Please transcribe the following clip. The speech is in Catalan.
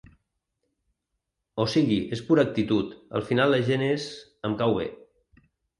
O sigui, és pura actitud, al final la gent és… Em cau bé.